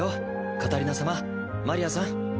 カタリナ様マリアさん。